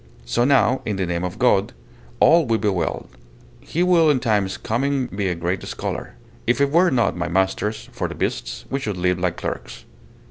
So now, in the name of God, all will be well. He will in times coming be a great scholar. If it were not, my masters, for the beasts, we should live like clerks.